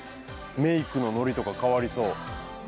メークの乗りとか変わりそう。